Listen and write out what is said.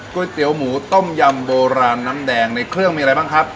เตี๋ยวหมูต้มยำโบราณน้ำแดงในเครื่องมีอะไรบ้างครับ